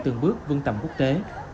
từng bước vương tầm quốc tế